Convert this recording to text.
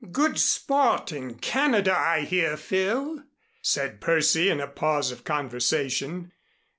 "Good sport in Canada, I hear, Phil," said Percy in a pause of conversation.